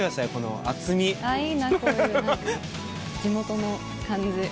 いいなぁこういう地元の感じ。